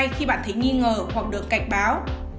khi bạn thấy nghi ngờ hoặc được cảnh báo